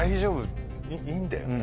いいんだよね？